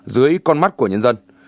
dưới con mắt của nhân dân